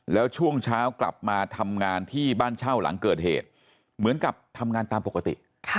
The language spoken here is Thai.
แล้วช่วงเช้ากลับมาทำงานที่บ้านเช่าหลังเกิดเหตุเหมือนกับทำงานตามปกติ